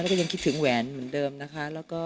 ครับก็จะได้ตอนนี้เลยนะครับ